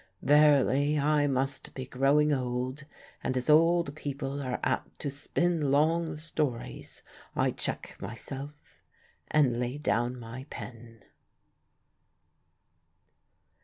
Verily, I must be growing old; and as old people are apt to spin long stories, I check myself, and lay down my pen.